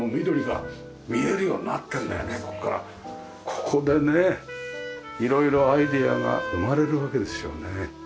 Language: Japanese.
ここでね色々アイデアが生まれるわけですよね。